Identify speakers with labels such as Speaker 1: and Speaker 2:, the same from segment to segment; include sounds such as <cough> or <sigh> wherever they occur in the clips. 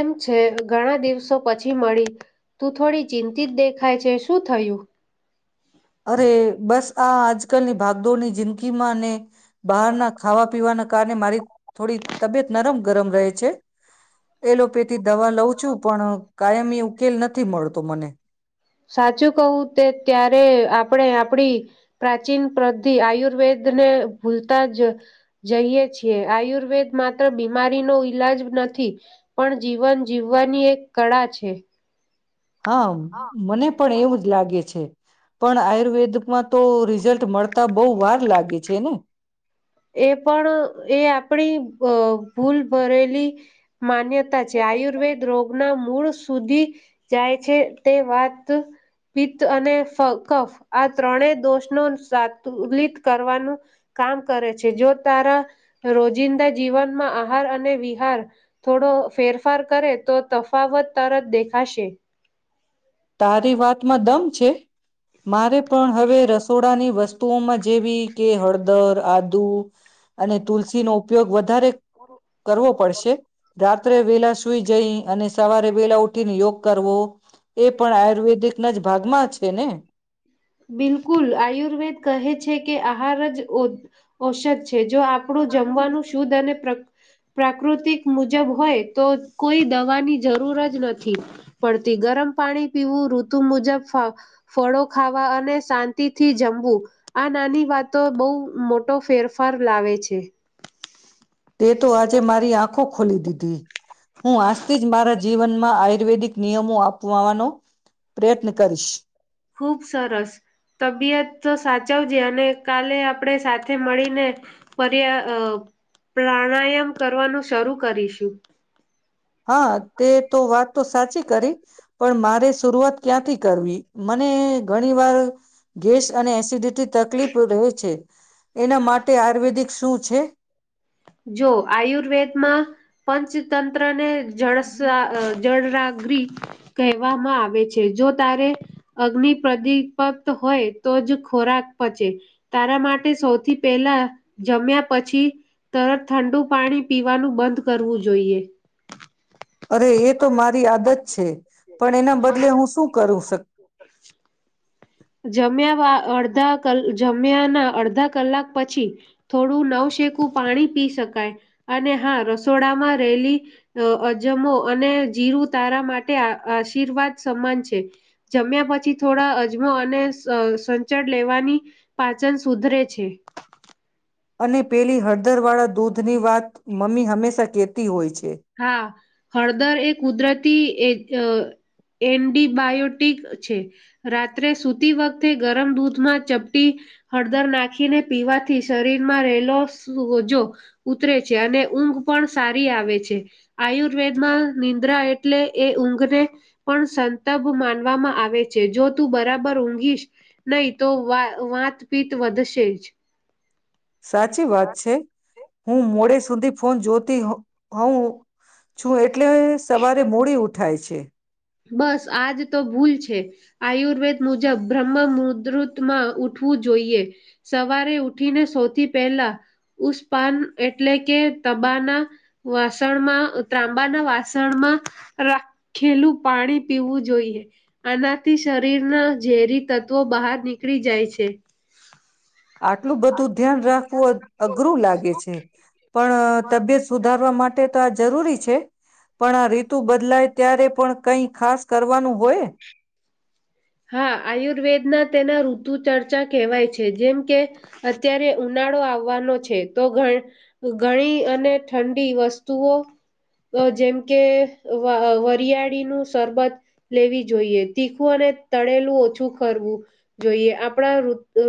Speaker 1: એમ છે ઘણા દિવસો પછી મળી તું થોડી ચિંતિત દેખાય છે, શું થયું
Speaker 2: અરે, બસ આ આજકાલની ભાગદોડની જિંદગીમાં અને બહારના ખાવા પીવાના કારણે મારી થોડી તબિયત નરમ ગરમ રહે છે, એલોપેથી દવા લઉં છું પણ કાયમી ઉકેલ નથી મળતો મને
Speaker 1: સાચું કવું, તે ત્યારે આપણે આપણી પ્રાચીન પ્ર્ધિ આયુર્વેદ ને ભૂલતા જ જઈએ છીએ, આયુર્વેદ માત્ર બીમારીનો ઈલાજ નથી પણ જીવન જીવવાની એક કળા છે
Speaker 2: હા, મને પણ એવું જ લાગે છે પણ આયુર્વેદમાં તો રિઝલ્ટ મળતા બહુ વાર લાગે છે ને
Speaker 1: એ પણ, એ આપણી અ ભૂલ ભરેલી માન્યતા છે, આયુર્વેદ રોગના મૂળ સુધી જાય છે તે વાત, પિત્ત, અને કફ આ ત્રણે દોષ ને સાતુલિત કરવાનું કામ કરે છે, જો તારા રોજિંદા જીવનમાં આહાર અને વિહાર થોડો ફેરફાર કરે તો તફાવત તરત દેખાશે
Speaker 2: તારી વાતમાં દમ મારે પણ હવે રસોડાની વસ્તુઓમાં જેવી કે હળદર આદુ અને તુલસી નો ઉપયોગ વધ વધ કરવો પડશે રાત્રે વેલા સુઈ જઈ અને સવારે વેલા ઉઠીને યોગ કરવો એ પણ આયુર્વેદિકના જ ભાગમાં છે ને.
Speaker 1: બિલકુલ આયુર્વેદ કહે છે કે આહાર જ ઔષધ છ છે જો આપણું જમવાનું શુદ્ધ અને પ્રાકૃતિક મુજબ હોય તો કોઈ દવાની જરૂર જ નથી પડતી ગરમ પાણી પીવું ઋતુ મુજબ ફળો ખાવા અને શાંતિથી જમવું આ નાની વાતો બહુ મોટો ફેરફાર લાવે છે.
Speaker 2: તે તો આજે મારી આંખો ખોલી દીધી. હું આજથી જ બાર જીવનમાં આયુર્વેદિક નિયમો આપવાવાનો પ્રયત્ન કરીશ.
Speaker 1: ખુબ સરસ તબિયત તો સાચવજે અને કાલે આપણે સાથે મળીને પર્યા પ્રાણાયામ કરવાનું શરૂ કરીશું.
Speaker 2: હા તે તો વાત તો સાચી કરી. પણ મારે શરૂઆત ક્યાંથી કરવી મને ઘણી વાર ગેસ અને એસિડિટી તકલીફ રહે છે એના માટે આયુર્વેદિક શું છે?
Speaker 1: જો આયુર્વેદ માં પંચતંત્રને જળસ
Speaker 2: હમ
Speaker 1: જળરા અગન કહેવામાં આવે છે જો તારે અગ્નિ પ્રદીપત હોય તો જ ખોરાક પચે તારા માટે સૌથી પહેલા જમ્યા પછી તરત ઠંડુ પાણી પીવાનું બંધ કરવું જોઈએ.
Speaker 2: અરે એ તો મારી આદત છે. પણ એના બદલે હું શું કરું સક?
Speaker 1: <unintelligible> જમ્યા અડધા ક જમ્યાના અડધા કલાક પછી થોડું નવ શેકું પાણી પી શકાય અને હા રસોડામાં રહેલી અજમો અને જીરું તારા માટે આશીર્વાદ સમાન છે જમ્યા પછી થોડા અને સંચળ લેવાની પાચન સુધરે છે.
Speaker 2: અને પેલી હળદરવાળા દૂધની વાત મમ્મી હંમેશા કહેતી હોય છે
Speaker 1: હા. હળદર એ કુદરતી એ એન્ટિબાયોટિક છે રાત્રે સૂતી વખતે ગરમ દૂધમાં ચપટી હળદર નાખીને પીવાથી શરીરમાં રહેલો સોજો ઉતરે છે અને ઊંઘ પણ સારી આવે છે. આયુર્વેદમાં નિંદ્રા એટલે એ ઊંઘને પણ સંતપ માનવામાં આવે છે જો તું બરાબર ઊંઘીશ નહીં તો વાતપીત વધશે જ.
Speaker 2: સાચી વાત છે. હું મોડે સુધી ફો જ્યોતિ હું છું એટલે સવારે મૂડી ઉઠાય છે. છે.
Speaker 1: બસ આજ તો ભૂલ છે આયુર્વેદ મુજબ બ્રહ્મ મુદુતમાં ઉઠવું જોઈએ સવારે ઉઠીને સૌથી પહેલા ઉષ્પાન એટલે કે તબાના વાસણમાં ત્રાંબાના વાસણમાં રાખેલું પાણી પીવું જોઈએ આનાથી શરીરના ઝેરી તત્વો બહાર નીકળી જાય છે.
Speaker 2: આટલું બધું ધ્યાન રાખવું અઘરું લાગે છે પણ તબિયત સુધારવા માટે તો આ જરૂરી છે. છે. પણ આ રીતુ બદલાય ત્યારે પણ કંઈ ખાસ કરવાનું હોય.
Speaker 1: હા આયુર્વેદના તેના ઋતુ ચર્ચા કહેવાય છે જેમ કે અત્યારે ઉનાળો આવવાનો છે તો ઘણી અને ઠંડી વસ્તુઓ જેમ કે વરિયાળીનું સરરબત લેવી જોઈએ તીખું અને તળેલું ઓછું ખરવું જોઈએ આપણા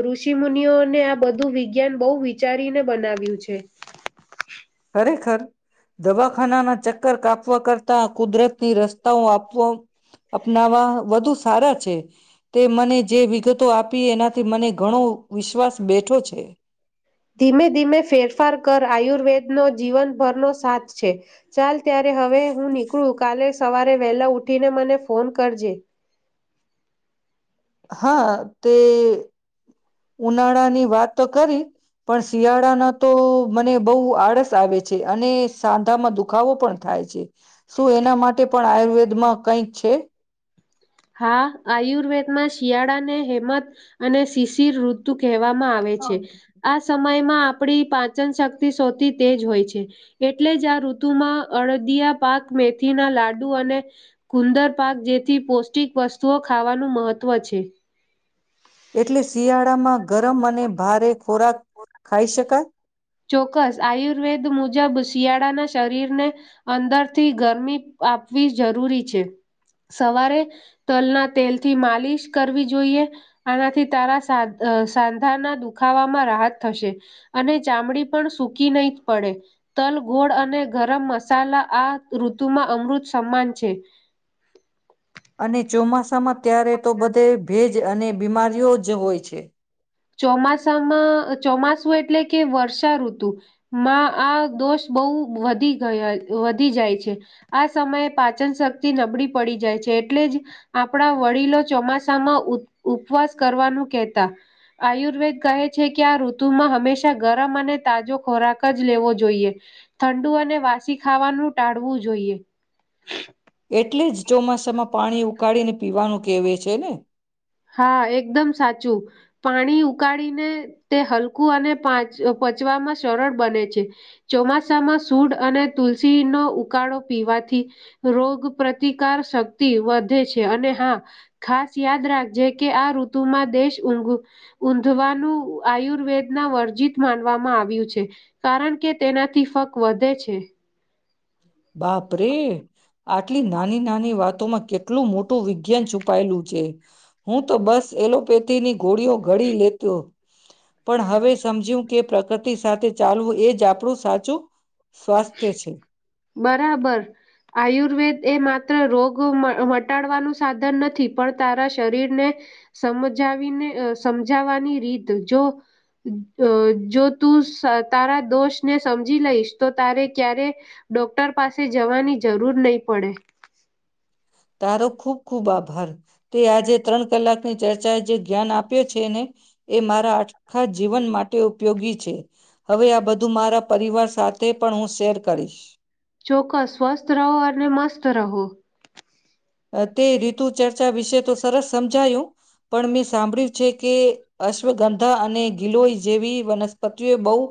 Speaker 1: ઋષિ મુનિઓને આ બધું વિજ્ઞાન બહુ વિચારીને બનાવ્યું છે.
Speaker 2: ખરેખર દવાખાનાના ચ ઘર કાપવા કરતા કુદરત ની રસ્તાઓ આપવા અપનાવા વધુ સારા છે. તે મને જે વિગત તો આપી એનાથી મને ઘણો વિશ્વાસ બેઠો છે.
Speaker 1: ધીમે ધીમે ફેરફાર કર આયુર્વેદનોો જીવનભરનો સાથ છે ચાલ ત્યારે હવે હું નીકળું કાલે સવારે વહેલા ઉઠીને મને ફોન કરજે.
Speaker 2: હા તે ઉનાળા ની વાત તો કરી પણ શિયાળાના તો મને બહુ આળસ આવે છે અને સાંધામાં દુખાવો પણ થાય છે. શું એના માટે પણ આયુર્વેદ માં કંઈક છે.
Speaker 1: હા આયુર્વેદમાં શિયાળાને હેમત અને શિશિર ઋ તું કહેવામાં આવે છે આ સમય આપણી પાચન શક્તિ સૌથી તેજ હોય છે એટલે જ આ ઋતુમાં અળદિયા પાક, મેથી ના લાડુ, અને ગુંદર પાક જેથી પોષ પૌષ્ટિક વસ્તુઓ ખાવાનું મહત્ત્વ છે.
Speaker 2: એટલે શિયાળામાં ગરમ અને ભારે ખોરાક ખાઈ શકાય?
Speaker 1: ચોક્કસ આયુર્વેદ મુજબ શિયાળાના શરીરને અંદરથી ગરમી આપવી જરૂરી છે સવારે તલના તેલથી માલિશ કરવી જોઈએ આનાથી તારા સા સાંધાના ખાવામાં રાહત થશે અને ચામડી પણ સુૂકી નહી પડે તલ ગોળ અને ગરમ મસાલા આ ઋતુમાં અમૃત સમાન છે.
Speaker 2: અને ચોમાસામાં ત્યારે તો બધે ભેજ અને બીમારીઓ જ હોય છે.
Speaker 1: ચોમાસામાં ચોમાસું એટલે કે વર્ષા ઋતુ માં આ દોષ બહુ વધી ગયા વધી જાય છે આ સમયે પાચન શક્તિ નબળી પડી જાય છે એટલે જ આપણા વડીલો ચોમાસામાં ઉપવાસ કરવાનું કહેતા આયુર્વેદ કહે છે કે આ ઋતુમાં હંમેશા ગરમ અને તાજો ખોરાક જ લેવો જોઈએ ઠંડુ અને વાસી ખાવાનું ટાળવું જોઈએ.
Speaker 2: એટલે જ ચોમાસામાં પાણી ઉકાળીને પીવાનું કેવે છે ને
Speaker 1: હા એકદમ સાચું પાણી ઉકાળીને તે હલકું અને પાચ પચવામાં સરળ બને છે ચોમાસામાં સૂડ અને તુલસીનો ઉકાળો પીવાથી રોગ પ્રતિકાર શક્તિ વધે છે અને હા ખાસ યાદ રાખ જે કે આ ઋતુમાં દેશ ઊઘ ઊંધવાનું આયુર્વેદના વર્જિત માનવામાં આવ્યું છે કારણ કે તેનાથી ફક વધે છે.
Speaker 2: બાપરે આટલી નાની નાની વાત માં કેટલું મોટું વિજ્ઞાન છુપાયેલું છે હું તો બસ એલોપેથીની ગોળીઓ ગળી લેતો પણ હવે સમજ્યું કે પ્રકૃતિ સાથે ચાલવું એજ આપણું સાચું સ્વાસ્થ્ય છે.
Speaker 1: બરાબર આયુર્વેદ એ માત્ર રોગ મટાડવાનું સાધન નથી પણ તારા શરીરને સમજાવીને સમજાવાની રીત જો જો તું તારા દોષને સમજી લઈશ તો તારે ક્યારે ડોક્ટર પાસે જવાની જરૂર નહી પડે
Speaker 2: તારો ખૂબ ખુબ આભાર તે આજે ત્રણ કલાકની ચર્ચા એ જે જ્ઞાન આપ્યો છે ને એ મારા આખા જીવન માટે ઉપયોગી છે હવે આ બધું મારા પરિવાર સાથે પણ હું શેર કરીશ.
Speaker 1: ચોક્કસ સ્વસ્થ રહો અને મસ્ત રહો.
Speaker 2: તે રીતુ ચર્ચા વિશે તો સરસ સમજાયું પણ મેં સાંભળ્યું છે કે અશ્વગંધા અને ગિલોઈ જેવી વનસ્પતિઓ બહું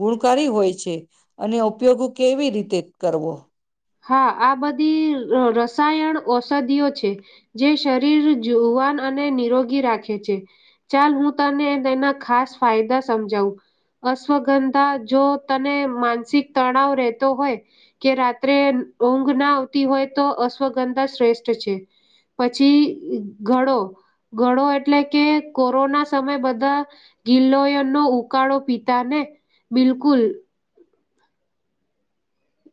Speaker 2: ગુણકારી હોય છે. અને ઉપયોગ કેવી રીતે કરવો
Speaker 1: હા આ બધી રસાયણ ઔષધિઓ છે જે શરીર જુવાન અને નિરોગી રાખે છે ચાલ હું તને તેના ખાસ ફાયદા સમજાવું અશ્વગંધા જો તને માનસિક તણાવ રહેતો હોય કે ત્રે ઊંઘ ના આવતી હોય તો અશ્વગંધા શ્રેષ્ઠ છે પછી ઘડો ઘડો એટલે કે કોરોના સમય બધા ગિલ્લોયનો ઉકાળો પીતાને બિલકુલ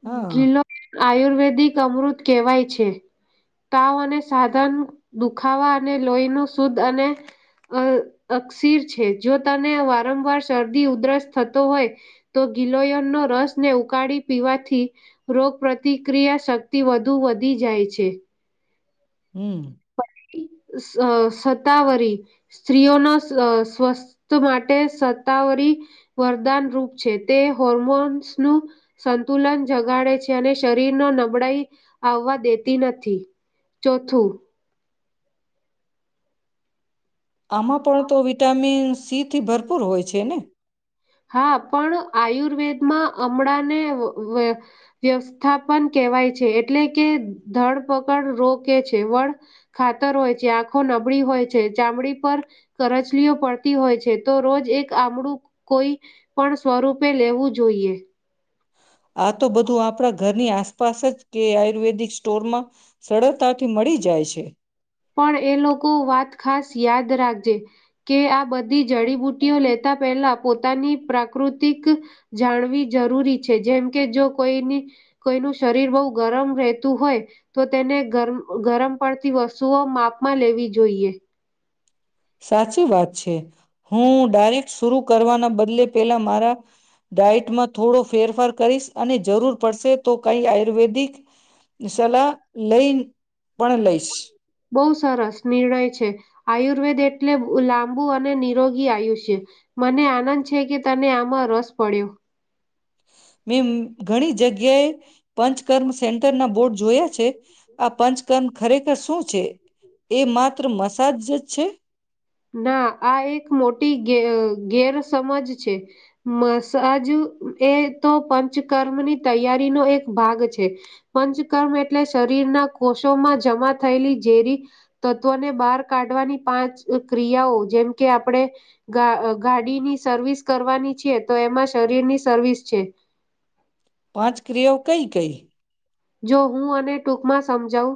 Speaker 2: હા
Speaker 1: ગીલોય આયુર્વેદિક અમૃત કહેવાય છે તાવ અને સાધન દુખાવા અને લોહી નુ શુદ્ધ અને અક્ષીર છે જો તને વારંવાર શરદી ઉધરસ થતો હોય તો ગિલોયન ન રસને ઉકાળી પીવાથી થી રોગ પ્ર્રતિક્રિયા શક્તિ વધુ વધી જાય છે.
Speaker 2: હું
Speaker 1: સત્તાવરી સ્ત્રીઓના સ્વસ્થ માટે સત્તાવરી વરદાન રૂપ છે તે હોર્મોન્સ નું સંતુલન જગાડે છે અને શરીર ન નબળાઈ આવવા દેતી નથી ચોથું
Speaker 2: આમાં પણ તો વિટામિન <inaudible> થી ભરપૂર હોય છે ને
Speaker 1: હા પણ આયુર્વેદમાં હમળાને વ્યવસ્થાપન કેહેવાય છે એટલે કે ધરપકડ રો કે છે વળ ખાતર હોય છે આંખો નબળી હોય છે ચામડી પર કરચલીઓ પડતી હોય છે. તો રોજ એક આમડું કોઈ પણ સ્વરૂપે લેવું જોઈએ.
Speaker 2: આ તો બધું આપણા ઘરની આસપાસ જ કે આયુર્વેદિક સ્ટોરમાં સરળતાથી મળી જાય છે.
Speaker 1: પણ એ લોકો વાત ખાસ યાદ રાખજે કે આ બધા જડીબુ્ટઓ લેતા પહેલા પોતાની પ્રકૃ પ્રાકૃતિક જાણવી જરૂરી છે જેમ કે જો કોઈની કોઈનું શરીર બહુ ગરમ રહેતું હોય તો તેને ગરમ ગરમ પણથી વ શુઓ માપમાં લેવી જોઈએ.
Speaker 2: સાચી વાત છે. <inaudible> કરવાના બદલે પેલા મારા ડાયટ માં થોડો ફેરફાર કરીશ અને જરૂર પડશે તો કઈ આયુર્વેદિક સલાહ લઈ પણ લઈશ.
Speaker 1: બહુ સરસ નિર્ણય છે આયુર્વેદ એટલે લાંબુ અને નિરોગી આયુષ્ય મને આનંદ છે કે તને આમાં રસ પડ્યો.
Speaker 2: મે ઘણી જગ્યાએ પંચકર્મ સેન્ટર ના બોર્ડ જોયા છે આ પંચકર્મ ખરેખર શું છે એ માત્ર મસાજ છે.
Speaker 1: ના આ એક મોટીે ગેરસમજ છે મ સજ એ તો પંચકર્મની તૈયારીનોો એક ભાગ છે પંચકર્મ એટલે શરીરના કોષોમાં જમા થયેલી ઝેરી તત્વોને બહાર કાઢવાની પાંચ ક્રિયાઓ જેમ કે આપણે ગા ગાડીની સર્વિસ કરવાની છેીએ તો એમાં શરીરની સર્વિસ છે.
Speaker 2: પંચ ક્રેવ કહી કહી <inaudible>
Speaker 1: જો હું અને ટૂંકમાં સમજાવ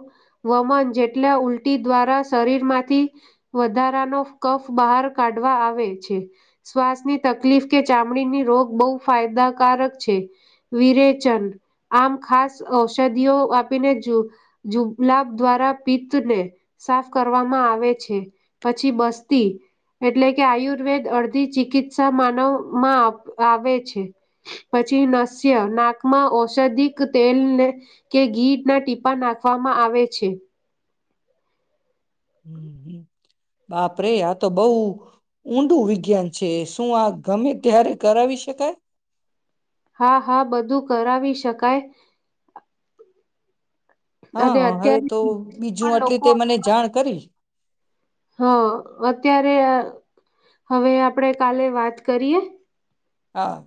Speaker 1: વમન જેટલા ઉલટી દ્વારા શરીર માંથી વધારાનો કફ બહાર કાઢવા આવે છે શ્વાસની તકલીફ કે ચામડીની રોગ બહુ ફાયદાકારક છે વિરેચન આમ ખાસ ઔષધિઓ આપીને જુબલાબ દ્વારા પિત્તને સાફ કરવામાં આવે છે પછી બસ્તી એટલે કે આયુર્વેદ અડધી ચિકિત્સા માનવમાં આવે છે પછી નસ્ય નાકમાં ઔષધિક તેલને કે ઘી ના ટીપા નાખવામાં આવે છે.
Speaker 2: હમ હ બાપ રરે આ તો બઉ ઉઊંડું વિગઞન છે. શું આ ગમે ત્યારે કરાવી શકાય.
Speaker 1: હા હા બધું કરાવી શકાય. અને
Speaker 2: હા હવે
Speaker 1: અત્યારે
Speaker 2: તો બીજું
Speaker 1: પણ
Speaker 2: આટલી
Speaker 1: લોકો
Speaker 2: તે મને જાણ કરી
Speaker 1: હા અત્યારે હવે આપણેે કાલે વાત કરીએ.
Speaker 2: હા